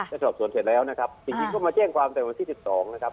ได้สอบสวนเสร็จแล้วนะครับจริงก็มาแจ้งความแต่วันที่๑๒นะครับ